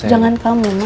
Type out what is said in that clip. jangan kamu mas